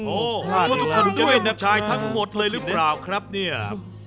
โอ้โฮจะเป็นหนักชายทั้งหมดเลยหรือเปล่าครับเนี่ยข้าทุกคนด้วย